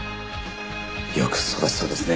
よく育ちそうですね。